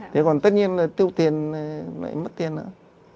thế còn tất nhiên là tiêu tiền lại mất tiền nữa